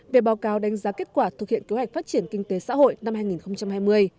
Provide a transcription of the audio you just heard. về báo cáo đánh giá kết quả thực hiện kế hoạch phát triển kinh tế xã hội năm hai nghìn hai mươi